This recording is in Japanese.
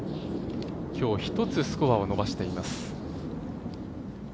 今日１つスコアを伸ばしています。